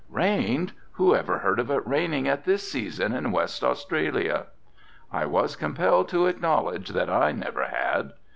"Rained! Who ever heard of it raining at this season in West Australia?" I was compelled to acknowledge that I never had.